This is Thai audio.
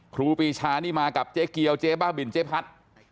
ครูปีชานี่มากับเจ๊เกียวเจ๊บ้าบินเจ๊พัด